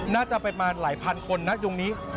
น่าจะไปมาหลายพันคนนัดยงนี้